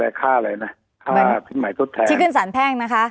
เป็นค่าที่ที่ขึ้นสารแพงนะคะ